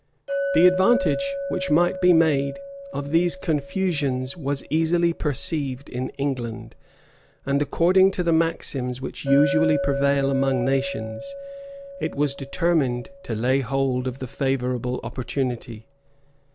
The advantage which might be made of these confusions was easily perceived in England; and, according to the maxims which usually prevail among nations, it was determined to lay hold of the favorable opportunity.